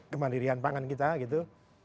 kemandirian pangan kita gitu